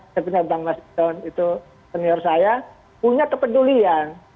sepertinya bang mas hito itu senior saya punya kepedulian